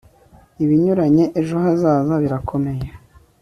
Ibinyuranye ejo hazaza birakomeye